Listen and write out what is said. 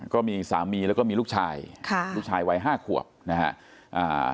ก็มีสามีแล้วก็มีลูกชายลูกชายวัย๕ขวบนะครับ